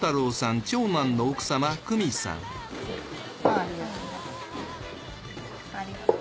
あぁありがとう。